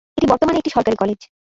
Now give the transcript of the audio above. এটি বর্তমানে একটি সরকারি কলেজ।